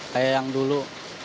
kayak yang dulu